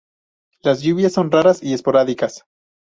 Las lluvias son raras y esporádicas.